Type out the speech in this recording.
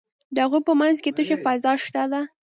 د هغوی په منځ کې تشه فضا شته ده.